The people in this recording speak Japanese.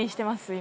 今。